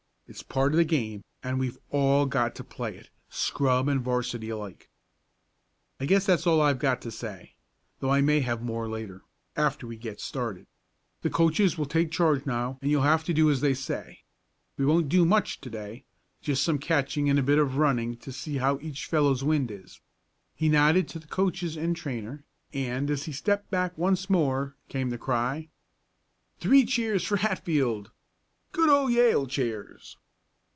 It's part of the game, and we've all got to play it scrub and 'varsity alike. "I guess that's all I've got to say, though I may have more later, after we get started. The coaches will take charge now and you'll have to do as they say. We won't do much to day, just some catching and a bit of running to see how each fellow's wind is." He nodded to the coaches and trainer, and as he stepped back once more came the cry: "Three cheers for Hatfield. Good old Yale cheers!"